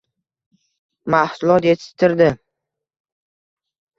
– mahsulot yetishtirdi.